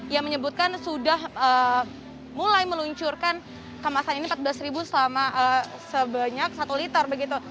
ia menyebutkan sudah mulai meluncurkan kemasan ini empat belas sebanyak satu liter begitu